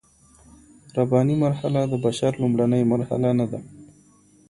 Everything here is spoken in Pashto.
رباني مرحله د بشر لومړنۍ مرحله نه ده.